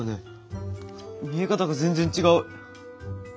見え方が全然違う。